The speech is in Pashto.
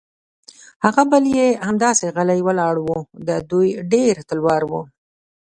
هغه بل یې همداسې غلی ولاړ و، د دوی ډېر تلوار و.